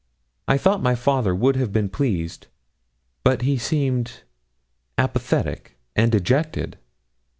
I thought my father would have been pleased, but he seemed apathetic and dejected.